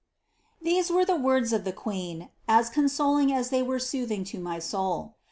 These were the words of the Queen, as consoling as they were soothing to my soul.